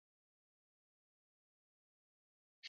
Ukitafuta ku mwibia mama haki yake ya kiwanja uta kufa